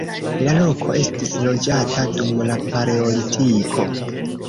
La loko estis loĝata dum la paleolitiko.